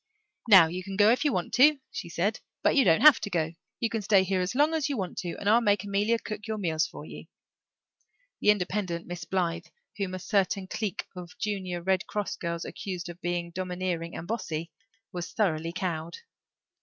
"Now you can go if you want to," she said, "but you don't have to go. You can stay here as long as you want to and I'll make Amelia cook your meals for you." The independent Miss Blythe, whom a certain clique of Junior Red Cross girls accused of being domineering and "bossy," was thoroughly cowed.